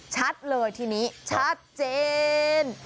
ชัดเลยทีนี้ชัดเจน